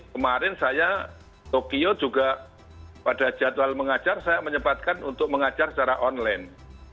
kemarin saya tokyo juga pada jadwal mengajar saya menyempatkan untuk mengajar secara online